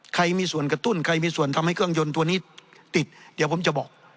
ใครมีส่วนกระตุ้นใครมีส่วนทำให้เครื่องยนต์ตัวนี้ติดเดี๋ยวผมจะบอก